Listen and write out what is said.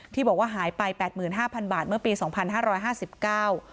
ที่บอกว่าหายไปแปดหมื่นห้าพันบาทเมื่อปีสองพันห้าร้อยห้าสิบเก้า